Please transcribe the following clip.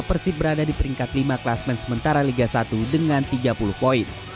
persib berada di peringkat lima klasmen sementara liga satu dengan tiga puluh poin